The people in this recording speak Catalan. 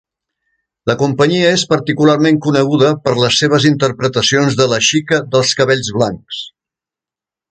La companyia és particularment coneguda per les seves interpretacions de "La xica dels cabells blancs".